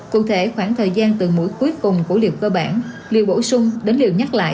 cụ thể khoảng thời gian từ mũi cuối cùng của liệu cơ bản liều bổ sung đến liều nhắc lại